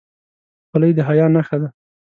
خولۍ د حیا نښه ده.